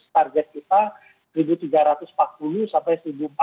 target kita seribu tiga ratus empat puluh sampai satu empat ratus